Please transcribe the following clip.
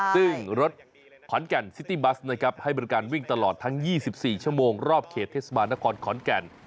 ซึ่งรถขอนแก่นซิตี้บัสนะครับให้บริการวิ่งตลอดทั้ง๒๔ชั่วโมงรอบเขตเทศบาลนครขอนแก่น